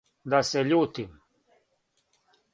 Да се љутим?